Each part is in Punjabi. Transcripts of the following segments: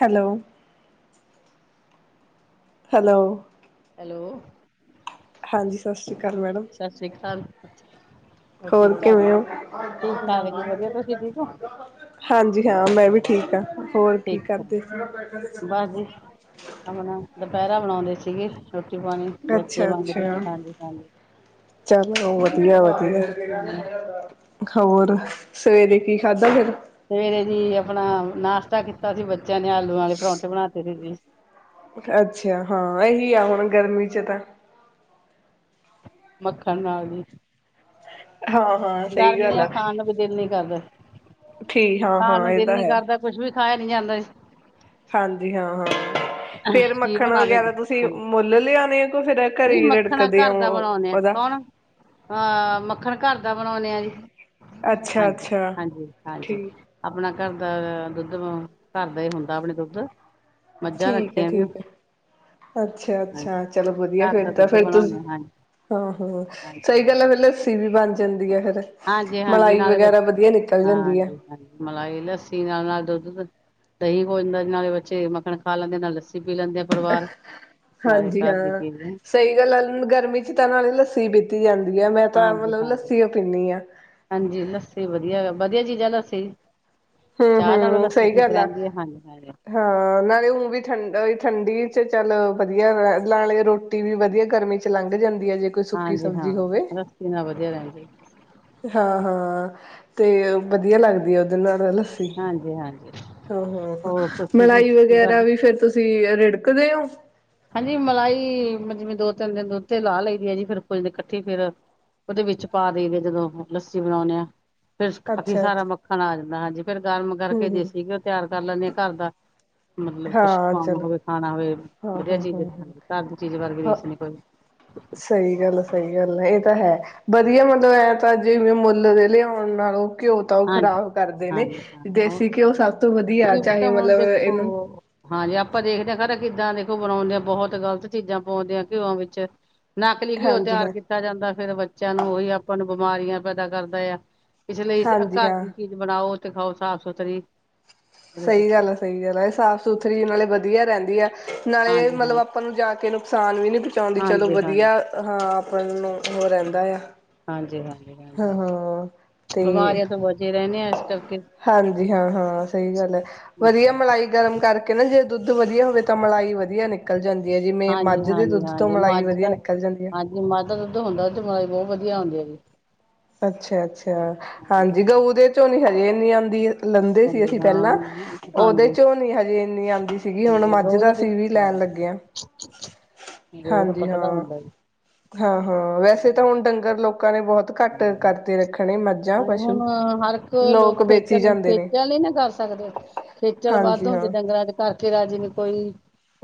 ਹੈਲੋ ਹੈਲੋ ਹੈਲੋ ਹਾਂਜੀ ਸਤਿ ਸ੍ਰੀ ਅਕਾਲ ਮੈਡਮ ਸਤਿ ਸ੍ਰੀ ਅਕਾਲ ਹੋਰ ਠੀਕ ਠਾਕ ਕਿਵੇਂ ਹੋ ਠੀਕ ਠਾਕ ਜੀ ਵਧੀਆ ਤੁਸੀਂ ਠੀਕ ਹੋ ਹਾਂਜੀ ਹਾਂ ਮੈਂ ਵੀ ਠੀਕ ਹਾਂ ਹੋਰ ਕੀ ਠੀਕ ਠਾਕ ਕਰਦੇ ਬਸ ਜੀ ਆਪਣਾ ਦੁਪਹਿਰਾ ਬਣਾਉਂਦੇ ਸੀਗੇ ਰੋਟੀ ਪਾਣੀ ਬੱਚੇ ਅੱਛਾ ਮੰਗਦੇ ਅੱਛਾ ਹਾਂਜੀ ਹਾਂਜੀ ਚਲੋ ਵਧੀਆ [unintelligible] ਹਾਂਜੀ ਹੋਰ ਸਵੇਰੇ ਕੀ ਖਾਧਾ ਫੇਰ ਸਵੇਰੇ ਜੀ ਆਪਣਾ [unintelligible] ਬੱਚਿਆਂ ਨੇ ਆਲੂ ਵਾਲੇ ਪਰੌਂਠੇ ਬਣਾਤੇ ਸੀ ਜੀ ਅੱਛਾ ਹਾਂ ਇਹੀ ਆ ਹੁਣ ਗਰਮੀ ਚ ਤਾਂ ਮੱਖਣ ਨਾਲ ਜੀ ਹਾਂ ਹਾਂ ਸਹੀ ਗੱਲ ਗਰਮੀਆਂ ਆ, ਖਾਨ ਨੂੰ ਵੀ ਦਿਲ ਨੀ ਕਰਦੇ ਠੀਕ ਹਾਂ ਹਾਂ ਇਹ ਤਾਂ ਹੈ ਕਰਦਾ ਕੁਛ [unintelligible] ਹਾਂਜੀ ਹਾਂ ਹਾਂ ਫੇਰ ਕੀ ਮੱਖਣ ਬਣਾਵੇ ਵਗੈਰਾ ਤੁਸੀਂ ਮੁੱਲ ਲਿਆਣੇ ਹੋ, ਫਿਰ ਘਰੇ ਨਹੀ ਹੀ ਮੱਖਣ ਰਿੜਕਦੇ ਘਰ ਹੋ ਦਾ ਬਣਾਉਣੇ ਆ ਉਹਦਾ? ਕੌਣ ਅਹ ਮੱਖਣ ਘਰ ਦਾ ਬਣਾਉਣੇ ਆ [inaudible] ਅੱਛਾ ਹਾਂਜੀ ਅੱਛਾ ਹਾਂਜੀ ਹਾਂਜੀ ਠੀਕ। ਆਪਣਾ ਘਰ ਦਾ ਦੁੱਧ ਘਰ ਦਾ ਹੀ ਹੁੰਦਾ ਆਪਣੀ ਦੁੱਧ ਮੱਝਾਂ ਠੀਕ ਹੈ ਰੱਖੀਆਂ ਵੀ ਠੀਕ ਹੈ ਅੱਛਾ ਹਾਂਜੀ ਅੱਛਾ ਚਲੋ ਵਧੀਆ ਘਰ ਦਾ ਫਿਰ ਤਾਂ ਦੁੱਧ ਫਿਰ ਤਾਂ ਬਣਾਉਣੇ ਹਾਂਜੀ, ਹਾਂ ਹਾਂ ਹਾਂਜੀ, ਸਹੀ ਗੱਲ ਹੈ ਹਾਂਜੀ। ਫ਼ੇਰ ਲੱਸੀ ਵੀ ਬਣ ਜਾਂਦੀ ਆ ਫ਼ੇਰ ਹਾਂਜੀ ਹਾਂਜੀ ਨਾਲੇ ਹ ਜਾਂਦੀ ਹੈ ਹਾਂਜੀ ਹਾਂਜੀ ਮਲਾਈ ਲੱਸੀ ਨਾਲੇ ਨਾਲ ਦੁੱਧ ਦਹੀਂ ਹੋੋ ਜਾਂਦਾ ਨਾਲੇ ਬੱਚੇ ਮੱਖਣ ਖਾ ਲੈਂਦੇ ਨਾਲ ਲੱਸੀ ਪੀ ਲੈਂਦੇ ਆ ਪਰਿਵਾਰ ਨਾਲੇ ਹਾਂਜੀ ਘਰ ਦੀ ਹਾਂ ਚੀਜ਼ ਸਹੀ ਗੱਲ ਆ ਗਰਮੀ ਚ ਤਾਂ ਨਾਲ ਲੱਸੀ ਹੀ ਪੀਤੀ ਜਾਂਦੀ ਹੈ ਮੈਂ ਤਾਂ ਹਾਂਜੀ ਮਤਲਬ ਹਾਂਜੀ ਲੱਸੀ ਪੀਂਦੀ ਹਾਂ ਹਾਂਜੀ ਲੱਸੀ ਵਧੀਆ ਵਧੀਆ ਜੀ [unintelligible] ਹਮ ਹਮ ਸਹੀ ਗੱਲ ਆ ਹਾਂਜੀ, ਹਾਂਜੀ, ਹਾਂ ਨਾਲੇ ਹੁਣ ਵੀ ਠੰ ਠੰਡੀ ਚਲੋ ਵਧੀਆ ਵਾ ਨਾਲੇ ਰੋਟੀ ਵੀ ਵਧੀਆ ਗਰਮੀ ਚ ਲੰਘ ਜਾਂਦੀ ਹੈ ਜੇ ਕੋਈ ਸੁੱਕੀ ਹਾਂਜੀ ਹਾਂ ਸਬਜ਼ੀ ਹੋਵੇ ਲੱਸੀ ਨਾਲ ਵਧੀਆ ਰਹਿੰਦੀ ਹਾਂ ਹਾਂ ਤੇ ਵਧੀਆ ਲੱਗਦੀ ਹੈ। ਨਾਲ ਲੱਸੀ ਹਾਂਜੀ, ਹਾਂਜੀ। ਹੋਰ ਤੁਸੀਂ ਕੀ ਮਲਾਈ ਹੀ ਕੀ ਵਗੈਰਾ ਕਰਦੇ? ਵੀ ਫੇਰ ਤੁਸੀਂ ਰੇ ਰਿੜਕਦੇ ਹੋ? ਹਾਂਜੀ ਮਲਾਈ ਜਿਵੇਂ ਦੋ ਤਿੰਨ ਦਿਨ ਦੱਤੇ ਲਾ ਲਈਦੀ ਆ ਜੀ ਫਿਰ ਕੁੱਝ ਦਿਨ ਇਕੱਠੀ ਫਿਰ ਉਹਦੇ ਵਿੱਚ ਪਾ ਦੇਦੇ ਜਦੋਂ ਲੱਸੀ ਬਣਾਉਂਦੇ ਆ ਫੇਰ ਕਾਫੀ ਅੱਛਾ ਸਾਰਾ ਅੱਛਾ ਮੱਖਣ ਆ ਜਾਂਦਾ ਹਾਂਜੀ। ਫਿਰ ਗਰਮ ਹਮ ਕਰਕੇ ਹਮ ਦੇਸੀਗੇ ਉਹ ਤਿਆਰ ਕਰ ਲੈਂਦੇ ਆ ਘਰ ਦਾ ਮਤਲਬ ਕੁਛ ਹਾਂ ਕੰਮ ਚਲੋ ਹੋਵੇ ਖਾਣਾ ਹੋਵੇ ਹਾਂ ਵਧੀਆ ਹਾਂ ਚੀਜ਼ ਹਾਂ ਹ ਹਾਂਜੀ ਘਰ ਦੀ ਚੀਜ਼ ਵਰਗੀ ਹ ਰੀਸ ਨੀ ਕੋਈ ਸਹੀ ਗੱਲ ਸਹੀ ਗੱਲ ਹੈ ਇਹ ਤਾਂ ਹੈ ਵਧੀਆ ਮਤਲਬ ਇਹ ਤਾਂ ਜਿਵੇਂ ਮੁੱਲ ਦੇ ਲਿਆਉਣ ਨਾਲੋਂ ਘਿਓ ਤਾਂ ਉਹ ਹਾਂਜੀ ਖ਼ਰਾਬ ਕਰਦੇ ਨੇ ਦੇਸੀ ਘਿਓ ਸਭ ਤੋਂ ਵਧੀਆ ਕਿ ਚਾਹੇ ਤਾਂ ਹੁਣ ਮਤਲਬ ਦੇਖੋ ਇਹਨੂੰ ਹਾਂਜੀ ਆਪਾਂ ਦੇਖਦੇ ਹਾਂ ਖਰ ਕਿੱਦਾਂ ਦੇਖੋ ਬਣਾਉਂਦੇ ਆ ਬਹੁਤ ਗ਼ਲਤ ਚੀਜ਼ਾਂ ਪਾਉਂਦੇ ਆ ਘਿਓ ਵਿੱਚ ਨਕਲੀ ਘਿਓ ਹਾਂਜੀ ਤਿਆਰ ਹਾਂ ਕੀਤਾ ਜਾਂਦਾ ਫੇਰ ਬੱਚਿਆਂ ਨੂੰ ਉਹੀ ਆਪ ਨੂੰ- ਬਿਮਾਰੀਆਂ ਪੈਦਾ ਕਰਦਾ ਆ ਇਸ ਲਈ ਹਾਂਜੀ ਘਰ ਹਾਂ ਦੀ ਚੀਜ਼ ਬਣਾਓ ਖਾਓ ਸਾਫ਼ ਸੁਥਰੀ ਹਾਂਜੀ ਸਹੀ ਗੱਲ ਆ, ਸਹੀ ਗੱਲ ਆ, ਇਹ ਸਾਫ਼ ਸੁਥਰੀ ਨਾਲੇ ਵਧੀਆ ਰਹਿੰਦੇ ਵੀ ਆ ਨਾਲੇ ਹਾਂਜੀ ਮਤਲਬ ਆਪਾਂ ਨੂੰ ਜਾ ਕੇਨੂੰ ਅਸਾਨ ਵੀ ਨੀ ਚਾਹੁੰਦੀ ਚਲੋ ਹਾਂਜੀ ਹਾਂਜੀ ਵਧੀਆ ਹਾਂ ਨੂੰ ਉਹ ਰਹਿੰਦਾ ਆ। ਹਾਂਜੀ ਹਾਂਜੀ ਹਾਂਜੀ ਹਾਂ-ਹਾਂ ਤੇ ਬਿਮਾਰੀਆਂ ਤੋਂ ਬਚੇ ਰਹਿੰਦੇ ਆ ਕਰਕੇ ਹਾਂਜੀ ਹਾਂ ਹਾਂ ਸਹੀ ਗੱਲ ਹੈ ਵਧੀਆ ਮਲਾਈ ਗਰਮ ਕਰਕੇ ਨਾ ਜੇ ਦੁੱਧ ਵਧੀਆ ਹੋਵੇ ਤਾਂ ਮਲਾਈ ਵਧੀਆ ਨਿਕਲ ਜਾਂਦੀ ਹੈ ਜਿਵੇਂ ਹਾਂਜੀ ਮੱਝ ਦੇ ਹਾਂਜੀ ਦੁੱਧ ਤੋਂ ਮਲਾਈ ਵਧੀਆ ਨਿਕਲ ਜਾਂਦੀ ਐ। ਦੁੱਧ ਦੁੱਧ ਹੁੰਦਾ ਜਮਈ ਬਹੁਤ ਵਧੀਆ ਆਉਦੀ ਜੀ [unintelligible] ਅੱਛਾ ਅੱਛਾ ਹਾਂਜੀ ਉਸ ਦੇ ਚ ਨੀ ਅਜੇ ਨੀ ਆਂਦੀ ਐ ਲੈਂਦੇ ਸੀ ਹਾਂਜੀ ਅਸੀਂ ਪਹਿਲਾਂ ਹਾਂ ਉਹਦੇ ਹਾਂਜੀ ਵਿਚੌ ਹਜੇ ਇੰਨੀ ਆਉਂਦੀ ਸੀ। ਸੀਗੀ ਹੁਣ ਹਾਂਜੀ ਮੱਝ ਗਊ ਦਾ ਅਸੀਂ ਦੁੱਧ ਵੀ ਲੈਣ ਲੱਗੇ ਹਾ ਹਾਂ ਗਊ ਦਾ ਹਾਂਜੀ ਪਤਲਾ ਹਾਂ ਹੁੰਦਾ ਜੀ। ਹਾਂ ਹਾਂ ਵੈਸੇ ਤਾਂ ਹੁਣ ਡੰਗਰ ਲੋਕਾਂ ਨੇ ਬਹੁਤ ਘੱਟ ਕਰਤੇ ਰੱਖਣੇ ਮੱਝਾਂ ਹੁਣ ਪਸ਼ੂ ਹਰ ਇੱਕ ਲੋਕ ਵੇਚੀ ਖੇਚਲ ਜਾਂਦੇ ਨੇ ਖੇਚਲ ਹੀ ਨਾ ਕਰ ਸਕਦੇ ਖੇਚਲ ਵੱਧ ਹਾਂਜੀ ਹੁੰਦੇ ਹਾਂ। ਡੰਗਰਾਂ ਚ ਕਰਕੇ ਰਾਜੇ ਨੂੰ ਕੋਈ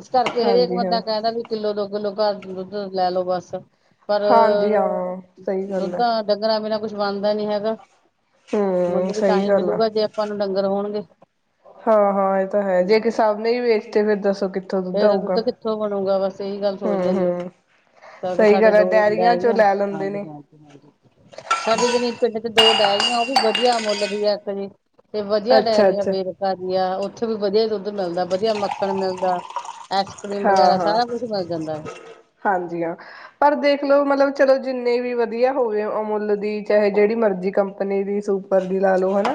ਇਸ ਕਰਕੇ ਹਰੇਕ ਹਾਂਜੀ ਹਾਂ ਬੰਦਾ ਕਹਿੰਦਾ ਵੀ ਕਿੱਲੋ ਦੋ ਕਿੱਲੋ ਘਰ ਦੁੱਧ ਲੈ ਲੋੋ ਬਸ ਪਰ ਹਾਂਜੀ ਹਾਂ ਸਹੀ ਗੱਲ ਹੈ। ਡੰਗਰਾ ਬਿਨਾਂ ਕੁਛ ਬਣਦਾ ਨੀ ਹੈਗਾ। ਮੁੱਲ ਹੂੰ ਵੀ ਤਾਂ ਸਹੀ ਹੀ ਗੱਲ ਆ ਮਿਲੂਗਾ ਜੇ ਆਪਾਂ ਨੂੰ ਡੰਗਰ ਹੋਣਗੇ। ਹਾਂ ਹਾਂ ਇਹ ਤਾਂ ਹੈ ਜੇ ਕਿਸ ਸਭ ਨੇ ਵੇਖ ਤੇ ਫੇਰ ਦੱਸੋ ਕਿ ਫਿਰ ਦੁੱਧ ਕਿੱਥੋਂ ਬਣੂਗਾ ਬਸ ਇਹੀ ਗੱਲ ਹਮ ਸੋਚਦੇ ਨੇ ਲੋਕ ਹਮ ਇਸ ਕਰਕੇ ਸਹੀ ਸਾਡੇ ਗੱਲ ਹੈ ਡੋ ਡਾਇਅਰੀਆਂ ਡਹਿ ਗ ਚੋਂ ਆ ਲੈ ਲੈਂਦੇ ਹਾਂਜੀ ਨੇ ਹਜੀ ਹਜੀ ਸਾਡੇ ਜਣੀ ਪਿੰਡ ਚ ਦੋ ਡਹਿ ਗ ਉਹ ਵੀ ਵਧੀਆ ਮੁੱਲ ਦੀ ਹੈ ਇੱਕ ਜੇ ਤੇ ਵਧੀਆ ਅੱਛਾ ਡਾਇਰੀ ਆ ਅੱਛਾ ਵੇਰਕਾ ਦੀ ਆ ਉੱਥੇ ਵੀ ਵਧੀਆ ਦੁੱਧ ਮਿਲਦਾ ਵਧੀਆ ਮੱਖਣ ਮਿਲਦਾ। ਆਈਸ ਕਰ੍ਰੀਮ ਹਾਂ ਵਗੈਰਾ ਹਾਂ ਸਾਰਾ ਕੁਛ ਮਿਲ ਜਾਂਦਾ ਹੈ ਹਾਂਜੀ ਹਾਂ ਪਰ ਦੇਖਲੋ ਮਤਲਬ ਚਲੋ ਜਿੰਨੇ ਵੀ ਵਧੀਆ ਹੋਵੇ ਅਮੁੱਲ ਦੀ ਚਾਹੇ ਜਿਹੜੀ ਮਰਜ਼ੀ ਕੰਪਨੀ ਦੀ ਸੁਪਰ ਦੀ ਲਾ ਲੋਓ ਹਨਾ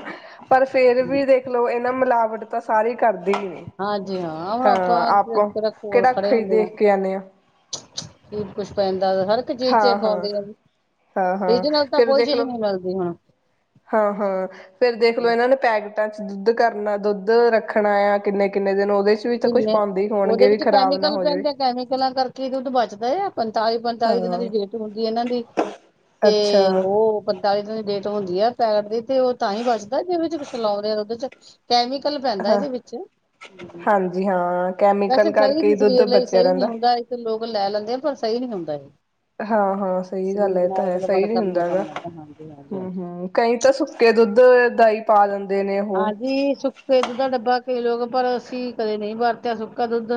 ਪਰ ਫੇਰ ਵੀ ਦੇਖਲੋ ਇਹਨਾਂ ਮਿਲਾਵਟ ਤਾਂ ਸਾਰੇ ਹੀ ਕਰਦੇ। ਹੀ ਨੇ ਹਾਂਜੀ ਹਾਂ ਹੁਣ ਆਪਾਂ ਕੋਲ ਕਿਹੜਾ ਖੜੇ ਅੱਖੀ ਹੁੰਦੇ ਆ ਦੇਖ ਕੇ ਆਦੇ ਆ। ਕੀ ਕੁਛ ਪੈਦਾ ਹਾਂ ਹਾਂ ਹਾਂ ਹਾਂ ਰੀਜਨਲ ਤਾਂ ਫਿਰ ਕੋਈ ਦੇਖ ਚੀਜ਼ ਲੋ ਨਹੀਂ ਮਿਲਦੀ ਹੁਣ ਹਾਂ ਹਾਂ ਫੇਰ ਦੇਖ ਲੋ ਇਹਨਾਂ ਨੇ ਪੈਕਿੰਗ ਚ ਦੁੱਧ ਕਰਨਾ ਦੁੱਧ ਰੱਖਣਾ ਆ ਕਿੰਨੇ ਕਿੰਨੇ ਦਿਨ ਉਹ ਕਿਨੇ ਉਹਦੇ ਵਿੱਚ ਕੈਮੀਕਲ ਹੋ ਜਾਵੇ ਪੈਂਦੇ ਆ ਕੈਮੀਕਲਾਂ ਕਰਕੇ ਇਹ ਦੁੱਧ ਬਚਦਾ ਆ ਪੰਤਾਲੀ ਪੰਤਾਲੀ ਦਿਨਾਂ ਦੀ ਹਾਂ ਡੇਟ ਹੁੰਦੀ ਇਹਨਾਂ ਦੀ ਤੇ ਅੱਛਾ ਉਹ ਦਿ ਦੀ ਡੇਟ ਹੁੰਦੀ ਹੈ ਪੈਕਟ ਦੀ ਤੇ ਉਹ ਤਾਂ ਹੀ ਬਚਦਾ ਜਿਦੇ ਚ ਕੁਛ ਲਾਉਦੇ ਉਹਦੇ ਚ ਕੈਮੀਕਲ ਪੈਂਦਾ ਇਹਦੇ ਵਿੱਚ ਜੀ ਹਾਂ ਕੈਮੀਕਲ ਵੈਸੇ ਸਹੀ ਕਰਕੇ ਹੀ ਨੀ ਦੁੱਧ ਸਰੀਰ ਲਈ ਬਚਿਆ ਸਹੀ ਨਹੀਂ ਰਹਿੰਦਾ। ਹੁੰਦਾ ਇੱਕ ਲੋਕ ਲੈ ਲੈਂਦੇ ਆ ਪਰ ਸਹੀ ਨੀ ਹੁੰਦਾ ਇਹ। ਹਾਂ ਹਾਂ ਸਹੀ ਸਰੀਰ ਗੱਲ ਤਾਂ ਨਾਲ ਹੈ ਗੜਬੜ ਸਹੀ ਨੀ ਕਰਨ ਹੁੰਦਾ ਵਾਲਾ ਹੈਗਾ ਕੰਮ ਹੈ ਤਾਂ ਹਾਂਜੀ ਹਾਂਜੀ ਹਾਂਜੀ ਹੂੰ ਹੂੰ ਕਈ ਤਾਂ ਸੁੱਕੇ ਦੁੱਧ ਧਈ ਪਾ ਦਿੰਦੇ ਨੇ ਉਹ ਹਾਂਜੀ ਸੁੱਕੇ ਦੁੱਧ ਦਾ ਡੱਬਾ ਲੋਕ ਪਰ ਅਸੀਂ ਕਦੇ ਨਹੀਂ ਵਰਤਿਆ ਸੁੱਕਾ ਦੁੱਧ।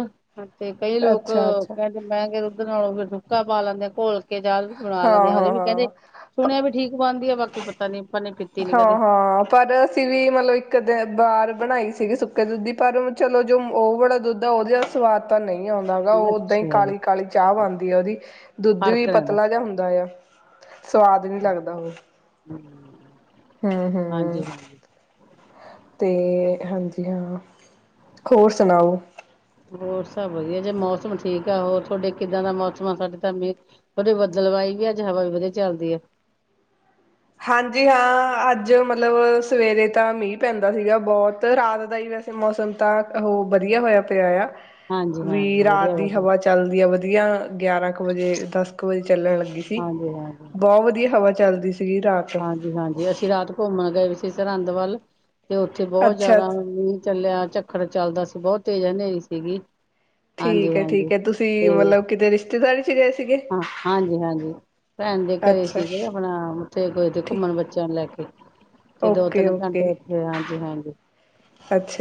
ਤੇ, ਕਈ ਲੋਕ ਅੱਛਾ-ਅੱਛਾ ਕਹਿੰਦੇ ਮਹਿੰਗੇ ਰ ਨਾਲੋਂ ਫ ਸੁੁੱਕਾ ਪਾ ਲੈਂਦੇ ਘੋਲ ਪ ਚਾਹ ਵੀ ਬਣਾ ਲੈਂਦੇ ਆਂ, ਉਹਦੇ ਵੀ ਕਹਿੰਦੇ ਹਾਂ-ਹਾਂ-ਹਾਂ ਸੁਣਿਆ ਵੀ ਠੀਕ ਬਣਦੀ ਆ ਬਾਕੀ ਪਤਾ ਨੀ। ਆਪਾਂ ਨੇ ਪੀਤੀ ਨੀ ਹਾਂ, ਕਦੇ ਹਾਂ, ਪਰ ਅਸੀਂ ਵੀ ਮਤਲਬ। ਇੱਕ ਦਿ ਬਾਹਾਰ ਬਣਾਈ ਸੀਗੀ ਸੁੱਕੇ ਦੁੱਧ ਦੀ ਪਰ, ਚਲੋ ਜੋ ਉਹ ਵਾਲਾ ਦੁੱਧ ਆ ਉਹਦੇ ਸਵਾਦ ਤਾਂ ਨਹੀਂ। ਆਉਂਦਾ ਹੈਗਾ ਉਹ ਓਦਾਂ ਹੀ ਅੱਛਾ ਜੀ ਕਾਲੀ- ਕਾਲੀ ਚਾਹ ਬਣਦੀ ਆ, ਉਹਦੀ ਦੁੱਧ ਵੀ ਫ਼ਰਕ ਰਹਿੰਦਾ ਪਤਲਾ ਜਿਹਾ ਹੁੰਦਾ ਆ। ਸਵਾਦ ਨਹੀ ਲੱਗਦਾ ਉਹ ਹੂੰ, ਹਾਂਜੀ ਹੂੰ ਹਾਂਜੀ ਤੇ, ਹਾਂਜੀ ਹਾਂ, ਹੋਰ ਸੁਣਾਓ? ਹੋਰ ਸਭ ਵਧੀਆ ਜੇ ਮੌਸਮ ਠੀਕ ਆ। ਹੋਰ ਤੁਹਾਡੇ ਕਿੱਦਾਂ ਦਾ ਮੌਸਮ ਆ? ਸਾਡੇ ਤਾਂ ਥੋਡੀੇ ਬਦਲਵਾਈ ਵੀ ਅੱਜ ਹਵਾ ਵੀ, ਵਧੀਆ ਚੱਲਦੀ ਆ। ਹਾਂਜੀ। ਹਾਂ, ਅੱਜ ਮਤਲਬ ਸਵੇਰੇ ਤਾਂ ਮੀਂਹ ਪੈਂਦਾ ਸੀਗਾ ਬਹੁਤ ਰਾਤ ਦਾ ਹੀ ਵੈਸੇ, ਮੌਸਮ ਤਾਂ ਉਹ ਵਧੀਆ ਹੋਇਆ ਪਿਆ ਆ। ਹਾਂਜੀ ਹਾਂਜੀ ਵੀ ਰਾਤ ਵਧੀਆ ਦੀ ਵਧੀਆ ਹਵਾ ਚੱਲਦੀ ਹੈ ਵਧੀਆ। ਵਧਆ, ਗਿਆਰਾਂ ਕੁ ਵਜੇ, ਦਸ ਕੁ ਵਜੇ। ਚੱਲਣ ਲੱਗੀ ਸੀ ਹਾਂਜੀ ਹਾਂਜੀ ਬਹੁਤ ਵਧੀਆ ਹਵਾ ਚੱਲਦੀ ਸੀ। ਹਾਂਜੀ। ਹਾਂਜੀ। ਅਸੀਂ ਰਾਤ ਘੁੰਮਣ ਗਏ ਸਰਹੰਦ ਵੱਲ। ਤੇ, ਉੱਥੇ ਬਹੁਤ ਅੱਛਾ ਜਿਆਦਾ ਮੀਂਹ ਚੱਲਿਆ। ਵੱਖਰ ਚੱਲਦਾ ਸੀ, ਬਹੁਤ ਤੇਜ਼ ਹਨੇਰੀ ਸੀਗੀ। ਹਾਂਜੀ ਠੀਕ ਹੈ। ਹਾਂਜੀ ਠੀਕ ਹੈ। ਤੁਸੀਂ ਤੇ ਮਤਲਬ ਕਿਤੇ ਰਿਸ਼ਤੇਦਾਰੀ ਚ ਗਏ ਸੀਗੇ ਹਾਂ, ਹਾਂਜੀ -ਹਾਂਜੀ ਭੈਣ ਦੇ ਘਰੇ ਅੱਛਾ ਸੀਗੇ, ਆਪਣਾ ਉੱਥੇ ਦੇ ਠੀਕ ਘੁੰਮਣ ਬੱਚਿਆਂ ਨੂੰ ਲੈ ਕੇ। ਤੇ ਦੋ ਓਕੇ। ਤਿੰਨ ਘੰਟੇ ਓਕੇ। ਉੱਥੇ ਹਾਂਜੀ ਹਾਂਜੀ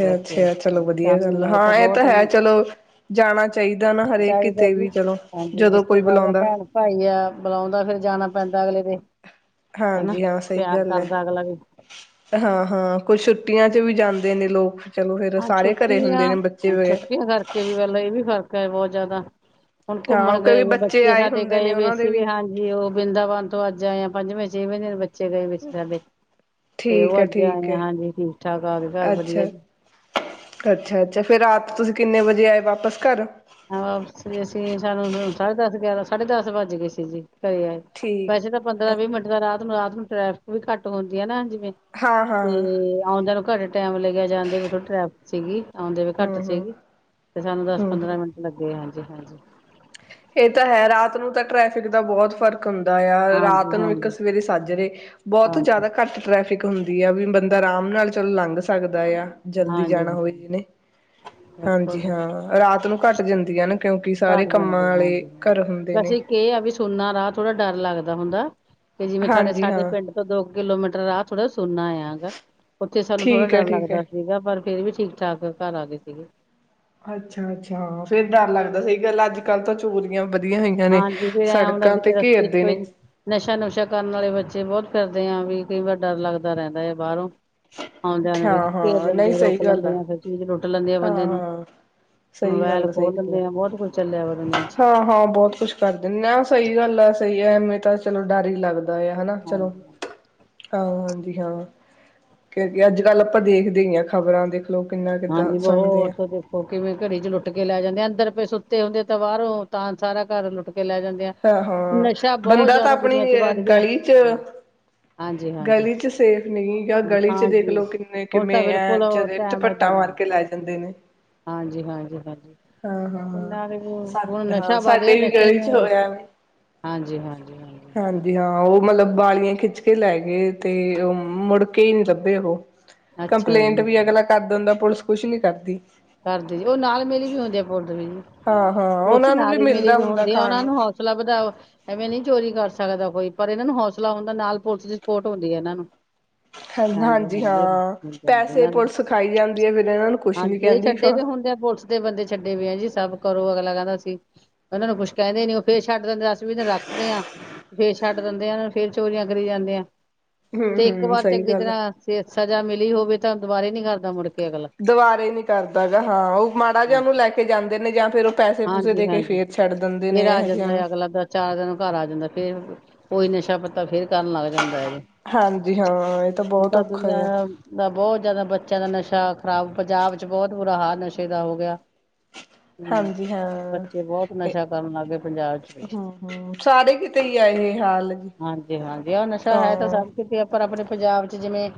ਰੱਖਿਆ ਚਲੋ ਹਾਂਜੀ ਵਧੀਆ ਸ਼ਾਮੀ ਗੱਲ ਆਏ ਹਾਂ, ਇਹ ਬਹੁਤ ਤਾਂ ਹੈ, ਚਲੋ ਜਾਣਾ ਚਾਹੀਦਾ ਨਾ ਹਰੇਕ ਕਿਤੇ ਵੀ ਚਲੋ, ਜਦੋਂ ਕੋਈ ਰਿਸ਼ਤੇਦਾਰ ਬੁਲਾਉਂਦਾ ਭੈਣ ਭਾਈ ਆ, ਬੁਲਾਉਂਦਾ ਫਿਰ ਜਾਣਾ ਪੈਂਦਾ ਅਗਲੇ ਦੇ। ਹਨਾ ਹਾਂਜੀ। ਹਾਂ ਸਹੀ ਪਿਆਰ ਗੱਲ ਹੈ, ਕਰਦਾ ਅਗਲਾ ਵੀ ਹਾਂ- ਹਾਂ ਕੋਈ ਛੁੱਟੀਆਂ'ਚ ਵੀ ਜਾਂਦੇ‌। ਨੇ ਲੋਕ। ਚਲੋ ਫੇਰ ਹਾਂ, ਸਾਰੇ ਘਰੇ ਹੁੰਦੇ ਨੇ ਬੱਚੇ ਛੁੱਟੀਆਂ- ਵਗੈਰਾ। ਛੁੱਟੀਆਂ ਕਰਕੇ ਵੀ ਗਲ ਇਹ ਵੀ ਫਰਕ ਹੈ, ਬਹੁਤ ਜ਼ਿਆਦਾ। ਹੁਣ ਹਾਂ ਉਹ ਘੁੰਮਣ ਕਿਉਂਕਿ ਗਏ ਵੀ, ਬੱਚੇ ਆਏ ਸਾਡੇ ਹੁੰਦੇ ਨੇ ਗਏ ਵੇ ਉਹਨਾਂ ਦੇ ਸੀ ਵੀ, ਹਾਂਜੀ। ਉਹ ਬ੍ਰਿੰਦਾਵਨ ਤੋਂ ਅੱਜ ਆ ਪੰਜਵੇਂ -ਛੇਵੇਂ ਦਿਨ ਬੱ ਬੱਚੇ ਗਏ ਵਿੱਚ ਸਾਡੇ ਤੇ, ਠੀਕ ਉਹ ਹੈ ਅੱਜ ਠੀਕ ਆਏ ਹੈ। ਆ ਹਾਂਜੀ ਠੀਕ -ਠਾਕ ਆ ਕੇ ਘਰ ਵਧੀਆ ਜੀ। ਅੱਛਾ- ਅੱਛਾ ਫੇਰ, ਰਾਤ ਤੁਸੀਂ ਕਿੰਨੇ ਵਜੇ ਆਏ ਵਾਪਸ ਘਰ? ਵਾਪਸੀ ਅਸੀਂ ਸਾਨੂੰ ਸਾਢੇ ਦਸ ਗਿਆਰਾਂ ਸਾਢੇ ਦਸ ਵੱਜ ਗਏ ਸੀ ਜੀ। ਕਰ ਆਏ ਠੀਕ ਵੈਸੇ ਤਾਂ ਪੰਦਰਾਂ ਵੀਹ ਮਿੰਟ ਦਾ ਰਾਹ ਰਾਤ ਨੂੰ ਟ੍ਰੈਫਿਕ ਵੀ ਘੱਟ ਹੁੰਦੀ ਆ ਨਾ ਹਾਂਜੀ । ਹਾਂ-ਹਾਂ, ਤੇ ਆਉਂਦੇ ਨੂੰ ਘਰੇ ਟੈਮ ਲੱਗਿਆ ਜਾਂਦੇ ਹੋਏ ਥੋੜੀ ਟ੍ਰੈਫਿਕ ਸੀਗੀ। ਆਉਂਦੇ ਵੀ ਘੱਟ ਹੂੰ-ਹੂੰ, ਸੀਗੀ ਤੇ ਸਾਨੂੰ ਦਸ ਪੰਦਰਾਂ ਹੂੰ-ਹੂੰ। ਮਿੰਟ ਤੇ ਹਾਂਜੀ ਹਾਂਜੀ ਏ ਤਾਂ ਹੈ ਰਾਤ ਨੂੰ ਤਾਂ ਟ੍ਰੈਫਿਕ ਦਾ ਬਹੁਤ ਫ਼ਰਕ- ਹੁੰਦਾ ਆ ਰਾਤ ਹਾਂਜੀ ਨੂੰ ਇੱਕ ਹਾਂਜੀ ਹਾਂਜੀ ਸਵੇਰੇ ਸਾਜਰੇ ਬਹੁਤ ਜ਼ਾਦਾ ਹਾਂਜੀ ਘੱਟ ਟ੍ਰੈਫਿਕ ਹੁੰਦੀ ਆ ਵੀ ਬੰਦਾ ਰਾਮ ਨਾਲ ਚਲੋ ਲੰਘ ਸਕਦਾ। ਹੁੰਦਾ ਆ ਜਲਦੀ ਜਾਣਾ ਹੋਏ ਹਾਂਜੀ ਜਿਨੇ ।ਹਾਂਜੀ ਬਿਲਕੁਲ ਹਾਂ- ਰਾਤ ਨੂੰ- ਘੱਟ ਜਾਂਦੀਆਂ ਨੇ। ਕਿਉਂਕਿ ਸਾਰੇ ਘੱਟ ਕੰਮ- ਜਾਂਦੀ ਹਾਂ ਬਸ- ਇਕ ਏ ਆ ਵੀ ਸੁੰਨਾ ਰਾਹ ਥੋੜਾ ਡਰ । ਡਰ ਲੱਗਦਾ ਹੁੰਦਾ। ਕਿ ਜਿਵੇਂ ਤੁਹਾਡੇ ਹਾਂਜੀ ਸਾਡੇ ਹਾਂ ਪਿੰਡ ਤੋਂ ਦੋ- ਕਿਲੋਮੀਟਰ ਰਾਹ ਥੋੜ੍ਹਾ ਸੁੰਨਾ ਆਗਾ ਉੱਥੇ ਸਾਨੂੰ ਥੋੜਾ ਠੀਕ ਹੈ ਡਰ ਠੀਕ ਲੱਗਦਾ ਹੈ। ਸੀਗਾ ਪਰ ਫੇਰ ਵੀ ਠੀਕ ਠਾਕ ਘਰ ਆ ਗਏ ਸਿਗੇ। ਅੱਛਾ -ਅੱਛਾ, ਫੇਰ ਡਰ ਲੱਗਦਾ ਸੀ। ਗੱਲ ਅੱਜ ਕੱਲ ਤਾਂ ਚੋਰੀਆਂ । ਹਾਂਜੀ ਵੀ ਐ ਹੁੰਦਾ ਕਿਤੇ ਰਸਤੇ 'ਚ ਘੇਰਦੇ ਕੋਈ ਨੇ ਨਸ਼ਾ ਨੁਸ਼ਾ ਕਰਨ ਵਾਲੇ ਬੱਚੇ ਬਹੁਤ- ਕਰਦੇ ਆਂ ਵੀ ਕਈ ਵਾਰ ਡਰ ਲੱਗਦਾ ਰਹਿੰਦਾ ਆ ਬਾਹਰੋਂ । ਆਣ ਜਾਣ ਵੇਲੇ ਘੇਰ ਹਾਂ-ਹਾਂ ਨਹੀਂ ਲੈਂਦੇ ਆ, ਸਹੀ ਰੋਕ ਗੱਲ ਲੈਂਦੇ ਆ। ਫੇਰ ਚੀਜ਼ ਰੋਟੀ । ਕੁੱਟ ਲੈਂਦੇ ਆ ਬੰਦੇ ਨੂੰ। ਹਾਂ-ਹਾਂ। ਮੋਬੈਲ ਖੋਹ ਲੈਂਦੇ ਆ ਬਹੁਤ ਕੁੱਝ ਚੱਲਿਆ ਬ- ਹਾਂ ਹਾਂ ਬਹੁਤ । ਕੁੱਛ ਕਰ ਦਿਨੇ ਆ। ਸਈ ਗੱਲ ਆ। ਸਈ ਐ ਐਵੇਂ ਤਾਂ ਚਲੋ ਡਰ ਈ ਲੱਗਦਾ। ਦਾ ਹਨਾ ਚਲੋ। ਹਾਂਜੀ ਹਾਂ- ਹਾਂਜੀ -ਹਾਂ ।ਕਿਉਕ ਅੱਜ ਕੱਲ੍ਹ ਆਪਾਂ ਦੇਖਦੇ ਈ ਆਂ ਖ਼ਬਰਾਂ ਦੇ। ਹਾਂਜੀ ਬਹੁਤ ਹੋਰ ਥਾਂ ਦੇਖੋ ਕਿਵੇਂ ਘੜੀ' ਚ ਲੁੱਟ ਕੇ ਲੈ ਜਾਂਦੇ ਆ ਅੰਦਰ। ਸੁੱਤੇ ਹੁੰਦੇ ਤਾਂ ਬਾਰੋਂ ਤਾਂ ਸਾਰਾ ਘਰ ਲੁੱਟ ਕੇ । ਹਾਂ -ਹਾਂ ਬੰਦਾ ਤਾਂ ਜ਼ਿਆਦਾ ਆਪਣੀ ਦੁਨੀਆ ਚ ਵੱਧ ਗਿਆ ਗਲੀ 'ਚ ਹਾਂ, ਹਾਂਜੀ ਹਾਂਜੀ ਗਲੀ 'ਚ ਸੇਫ ਨੀ ਗਾ। ਗਲੀ ਚ ਹਾਂਜੀ ਦੇਖਲੋ ਕਿੰਨੇ ਹੁਣ ਤਾਂ ਕਿਵੇਂ ਐ ਬਿਲਕੁਲ ਜ- ਟਾਈਮ ਏਦਾਂ ਪੱਟਾਂ ਮਾਰ ਦਾ ਕੇ ਲੈ ਜਾਂਦੇ ਨੇ। ਹਾਂਜੀ- ਹਾਂਜੀ -ਹਾਂਜੀ। ਹਾਂ ਹਾਂ ਕਿੰਨਾ ਵੀ ਸਾ ਹੁਣ ਹਾਂ ਨਸ਼ਾ ਵੱਧ ਗਿਆ ਸਾਡੇ ਵੀ ਨਸ਼ੇ ਗਲੀ ਚ ਨੇ ਹੋਇਆ ਵੀ ਹਾਂਜੀ ਹਾਂਜੀ ਹਾਂਜੀ ਹਾਂ ਉਹ ਮਤਲਬ ਵਾਲੀਆਂ ਖਿੱਚ ਕੇ ਲੈ ਗਏ ਤੇ ਉਹ ਮੁੜਕੇ ਹੀ ਨੀ ਲੱਭੇ ਉਹ ਅੱਛਾ ਜੀ ਕੰਪਲੇਂਟ ਵੀ ਅਗਲਾ ਕਰ ਦ ਹੁੰਦਾ ਪੁਲਿਸ ਕੁਛ ਨੀ ਕਰਦੀ ਕਰਦੇ ਜ ਉਹ ਨਾਲ ਮਿਲੀ ਵੀ ਹੁੰਦੇ ਆ ਹਾਂ-ਹਾਂ ਉਸ ਉਹਨਾਂ ਨੂੰ ਨਾਲੀ ਮਿਲੀ ਮਿਲਦਾ ਵੀ ਹੁੰਦਾ ਹੁੰਦੀ ਆ ਖਾਣ ਉਹਨਾ ਨੂੰ ਹੌਸਲਾ ਵਧਾਓ ਐਵੇਂ ਨੀ ਚੋਰੀ ਕਰ ਸਕ ਸਕਦਾ ਕੋਈ ਪਰ ਇਹਨਾਂ ਨੂੰ ਹੌਸਲਾ ਹੁੰਦਾ ਨਾਲ ਪੁਲਿਸ ਦੀ ਸਪੋਰਟ ਹੁੰਦੀ ਹੈ ਇਹਨਾਂ ਨੂੰ ਹ ਹਾਂਜੀ ਹਾਂ ਹਾਂਜੀ ਹਾਂਜੀ ਪੈਸੇ ਇਹਨਾਂ ਨੂੰ ਪੁਲਿਸ ਖਾਈ ਜਾਂਦੀ ਹੈ ਫੇਿਰ ਇਹਨਾਂ ਨੂੰ ਕੁਛ ਨੀ ਹਾਂਜੀ ਇਹ ਕਹਿੰਦੇ ਛੱਡੇ ਵੀ ਹੁੰਦੇ ਆ ਪੁਲਿਸ ਦੇ ਬੰਦੇ ਛੱਡੇ ਵੀ ਆ ਜੀ ਸਭ ਕਰੋ ਅਗਲਾ ਕਹਿੰਦਾ ਸੀ ਉਹਨਾਂ ਨੂੰ ਕੁਛ ਕਹਿੰਦੇ ਨੀ ਉਹ ਫੇਰ ਛੱਡ ਦਿੰਦੇ ਅਸੀ ਵੀ ਇਹੂੰ ਰੱਖਦੇ ਆਾਂ ਫੇਰ ਛੱਡ ਦਿੰਦੇ ਆ ਉਹ ਨੂੰ ਫੇਰ ਚੋਰੀਆਂ ਕਰੀ ਜਾਂਦੇ ਆ ਤੇ ਇੱਕ ਹੂੰ-ਹੂੰ ਵਾਰ ਸਹੀ ਚੰਗੀ ਗੱਲ ਆ। ਤਰ੍ਹਾਂ ਸ ਸਜ਼ਾ ਮਿਲੀ ਹੋਵੇ ਤਾਂ ਦੁਾਰੇ ਨੀ ਕਰਦਾ ਮੁੜ ਕੇ ਅਗਲਾ ਦੁਵਾਰੇ ਨ ਕਰਦਾ ਗਾ ਹਾਂ ਉਹ ਮਾੜਾ ਜਿਹਾ ਨੂੰ ਲੈ ਕੇ ਜਾਂਦੇ ਨੇ ਜਾਂ ਫੇਿਰ ਉਹ ਪੈਸੇ ਪੂਸੇ ਹਾਂਜੀ ਦੇ ਕੇ ਹਾਂਜੀ ਫੇਰ ਛੱਡ ਦਿੰਦੇ ਨੇ ਫੇਰ ਆ ਇਹੋ ਜਿਹਾ ਜਾਂਦਾ ਨੂੰ ਹੈ ਅਗਲਾ ਦਾ ਚਾਰ ਦਿਨ ਘਰ ਆ ਜਾਂਦਾ ਫੇਰ ਉਹੀ ਨਸ਼ਾ ਪੱਤਾ ਫੇਰ ਕਰਨ ਲੱਗ ਜਾਂਦਾ ਹੈ ਜੀ ਹਾਂਜੀ ਹਾਂ ਇਹ ਹੁਣ ਬਹੁਤ ਤਾਂ ਔਖਾ ਦੁਨੀਆਂ ਆ। ਦਾ ਬਹੁਤ ਜਿਆਦਾ ਬੱਚਿਆਂ ਦਾ ਨਸ਼ਾ ਖ਼ਰਾਬ ਪੰਜਾਬ ਬਹੁਤ ਬੁਰਾ ਹਾਲ ਨਸ਼ੇ ਦਾ ਹੋ ਗਿਆ ਹਮ ਹਾਂਜੀ ਹਾਂ ਬੱਚੇ ਬਹੁਤ ਨਸ਼ਾ ਕਰਨ ਲੱਗ ਗਏ ਪੰਜਾਬ ਚ ਵੀ ਹੂੰ-ਹੂੰ ਸਾਰੇ ਕਿਤੇ ਹੀ ਆ ਇਹ ਹਾਲ ਜੀ। ਹਾਂਜੀ ਹਾਂਜੀ ਆਹ ਨਸ਼ਾ ਹੈ ਤਾਂ ਹਾਂ ਸਭ ਕਿਤੇ ਪਰ ਆਪਣੇ ਪੰਜਾਬ ਚ ਜਿਵੇਂ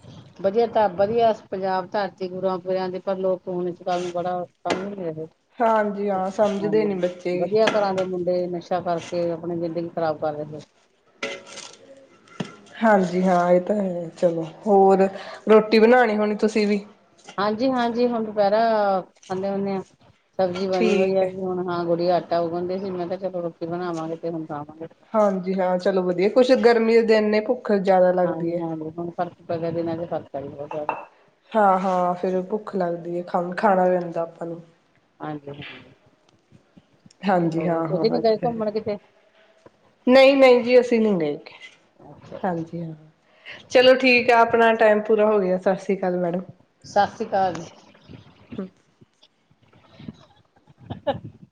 ਵਧੀਆ ਧ ਵਧੀਆ ਪੰਜਾਬ ਧਰਤੀ ਗੁਰੂਆਂ ਪੁਰਿਆਂ ਦੇ ਪਰ ਲੋਕ ਹੁਣ ਇਸ ਗੱਲ ਨੂੰ ਬੜਾ ਕੰਿਲ ਰਿਹਾ ਹਾਂਜੀ ਹਾਂ ਸਮਝਦੇ ਨੀ ਬੱਚੇ ਅੱਛਾ ਕਰਕੇ ਆਪਣੀ ਜ਼ਿੰਦਗੀ ਖ਼ਰਾਬ ਕਰ ਰਹੇ ਹਾਂਜੀ ਹਾਂ ਇਹ ਤਾਂ ਹੈ ਚਲੋ ਹੋਰ ਰੋਟੀ ਬਣਾਉਣੀ ਹੋਣੀ ਤੁਸੀਂ ਵੀ ਹਾਂਜੀ ਹਾਂਜੀ ਹੁਣ ਦੁਪਹਿਰਾ ਖਾਂਦੇ ਹੁੰਦੇ ਹ ਸਬਜ਼ੀ ਬਣੀ ਹੋਈ ਹੈ ਵੀ ਹੁਣ ਹਾਂ ਗੁੜੀ ਆਟ ਤਾਂ ਉਹ ਕਹਦੇ ਸੀ ਮੈਂ ਤਾਂ ਚਲੋ ਰੋਟੀ ਬਣਾਵਾਂਗੇ ਤੇ ਹੁਣ ਖਾਵਾਂਗੇ। ਹਾਂਜੀ ਹਾਂ ਚਲੋ ਵਧੀਆ ਕੁਛ ਗਰਮੀ ਨੇ ਜ਼ਿਆਦਾ ਹਾਂਜੀ ਲੱਗਦੀ ਹੈ। ਹਾਂਜੀ ਹੁਣ ਖਰਚ ਪੈ ਗਿਆ ਦਿਨਾਂ ਚ ਖਰਚ ਸ ਹੋਜ਼ ਹਾਂ ਹਾਂ ਫੇਰ ਭੁੱਖ ਲੱਗਦੀ ਹੈ ਖੰ ਖਾਣਾ ਪੈਂਦਾ ਆਪਾਂ ਨੂੰ ਹਾਂਜੀ-ਹਾਂਜੀ। ਹਾਂਜੀ ਹੋਰ ਹਾਂ ਹਾਂ ਤੁਸੀਂ ਨੀ ਇਹ ਗਏ ਤਾਂ ਹੈ ਘੁੰਮਣ ਕਿਤੇ ਨਹੀਂ- ਨਹੀਂ ਜੀ ਅਸੀਂ ਨਹੀਂ ਗਏ, ਅੱਛਾ ਹਾਂਜੀ ਹਾਂ ਚਲੋ ਠੀਕ ਆ, ਆਪਣਾ ਟਾਈਮ ਪੂਰਾ ਹੋ ਗਿਆ। ਸਤਿ ਸ਼੍ਰੀ ਅਕਾਲ ਮੈਡਮ। ਸਤਿ ਸ੍ਰੀ ਅਕਾਲ ਜੀ। [unintelligible]